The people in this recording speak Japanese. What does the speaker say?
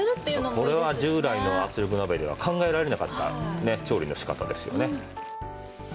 これは従来の圧力鍋では考えられなかったねっ調理の仕方ですよね。